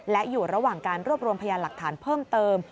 และอยู่ระหว่างการรวบรวมพยานหลักฐานเพิ่มเติม